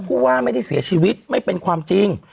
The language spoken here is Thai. ผู้ว่าไม่ได้เสียชีวิตไม่เป็นความจริง